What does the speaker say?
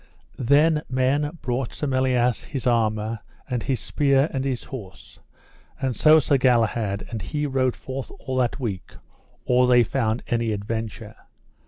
Then men brought Sir Melias his armour and his spear and his horse, and so Sir Galahad and he rode forth all that week or they found any adventure.